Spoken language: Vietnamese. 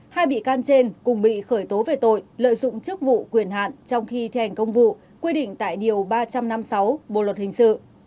hai bị can trên cùng bị khởi tố về tội lợi dụng chức vụ quyền hạn trong khi thi hành công vụ quy định tại điều ba trăm năm mươi sáu bộ luật hình sự